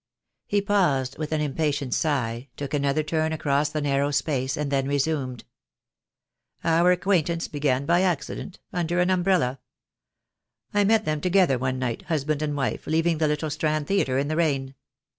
He paused, with an impatient sigh, took another turn across the narrow space, and then resumed: "Our acquaintance began by accident — under an umbrella. I met them together one night, husband and wife, leaving the little Strand theatre in the rain.